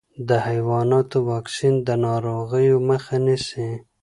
د حیواناتو واکسین د ناروغیو مخه نيسي.